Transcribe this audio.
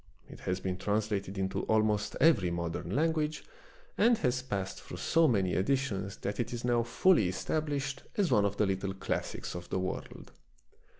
It has been translated into almost every modern language, and has passed through so many editions that it is now fully established as one of the little classics of the world.